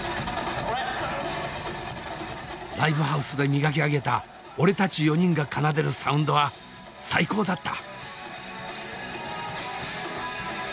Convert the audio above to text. ライブハウスで磨き上げた俺たち４人が奏でるサウンドは最高だった。